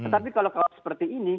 tapi kalau seperti ini